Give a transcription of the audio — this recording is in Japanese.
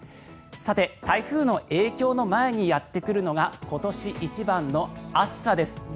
さて台風の影響の前にやってくるのが今年一番の暑さです。